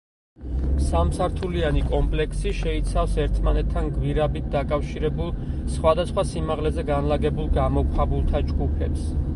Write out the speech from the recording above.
სამსართულიანი კომპლექსი შეიცავს ერთმანეთთან გვირაბით დაკავშირებულ სხვადასხვა სიმაღლეზე განლაგებულ გამოქვაბულთა ჯგუფებს.